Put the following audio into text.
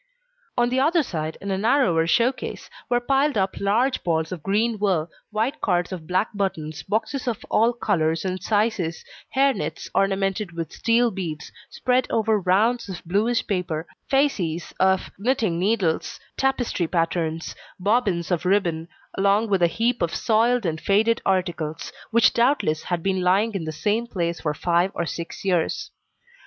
On the other side, in a narrower show case, were piled up large balls of green wool, white cards of black buttons, boxes of all colours and sizes, hair nets ornamented with steel beads, spread over rounds of bluish paper, fasces of knitting needles, tapestry patterns, bobbins of ribbon, along with a heap of soiled and faded articles, which doubtless had been lying in the same place for five or six years.